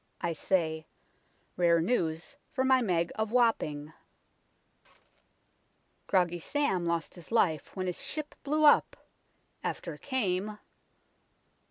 I say ; Rare news for my Meg of Wapping." 122 UNKNOWN LONDON Groggy Sam lost his life when his ship blew up. After came